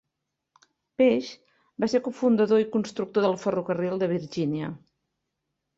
Page va ser cofundador i constructor del ferrocarril de Virgínia.